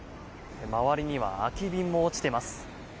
周りには空き瓶も落ちています。